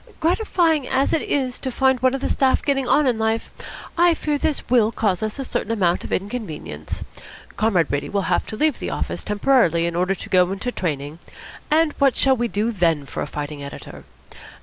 Gratifying as it is to find one of the staff getting on in life, I fear this will cause us a certain amount of inconvenience. Comrade Brady will have to leave the office temporarily in order to go into training, and what shall we do then for a fighting editor?